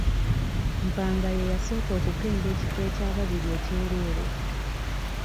Mpanga ye yasooka okukenga ekifo ekyababiri ekyereere.